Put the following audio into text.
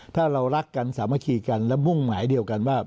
ถ้าเรารักกันสามัคคีกันและมุ่งหมายเดียวกันว่า